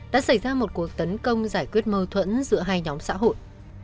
đã xảy ra một cuộc tấn công giải quyết mâu thuẫn giữa hai nhóm xã hội